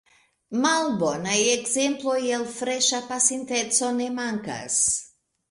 Malbonaj ekzemploj el freŝa pasinteco ne mankas.